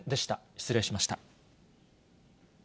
失礼しました。